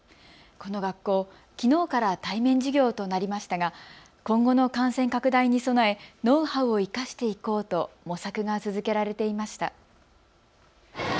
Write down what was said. この学校、きのうから対面授業となりましたが今後の感染拡大に備えノウハウを生かしていこうと模索が続けられていました。